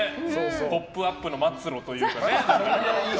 「ポップＵＰ！」の末路というかね。